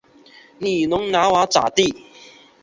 你能拿我咋地？